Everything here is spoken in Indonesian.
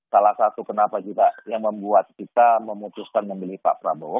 salah satu kenapa juga yang membuat kita memutuskan memilih pak prabowo